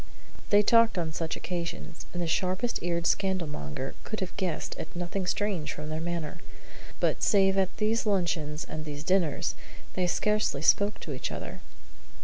They talked on such occasions; and the sharpest eared scandal mongers could have guessed at nothing strange from their manner. But, save at these luncheons and these dinners, they scarcely spoke to each other.